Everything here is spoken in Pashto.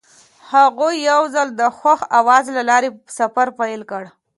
هغوی یوځای د خوښ اواز له لارې سفر پیل کړ.